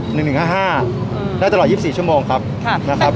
หนึ่งหนึ่งห้าห้าอืมแล้วตลอดยิบสี่ชั่วโมงครับครับนะครับ